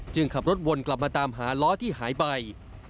ขับรถวนกลับมาตามหาล้อที่หายไป